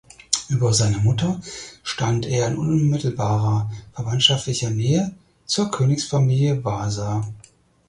Über seine Mutter stand er in unmittelbarer verwandtschaftlicher Nähe zur Königsfamilie Wasa.